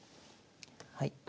はい。